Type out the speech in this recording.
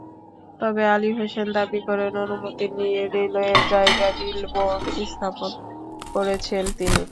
তবে আলী হোসেন দাবি করেন, অনুমতি নিয়ে রেলওয়ের জায়গায় বিলবোর্ড স্থাপন করেছেন তিনি।